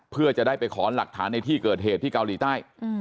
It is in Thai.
เพื่อจะได้ไปขอหลักฐานในที่เกิดเหตุที่เกาหลีใต้